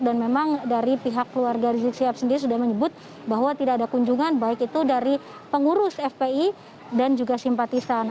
dan memang dari pihak keluarga rizik shihab sendiri sudah menyebut bahwa tidak ada kunjungan baik itu dari pengurus fpi dan juga simpatisan